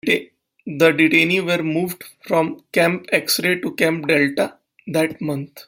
The detainees were moved from Camp X-Ray to Camp Delta that month.